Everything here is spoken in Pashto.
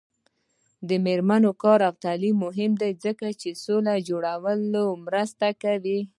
د میرمنو کار او تعلیم مهم دی ځکه چې سولې جوړولو مرسته کوي.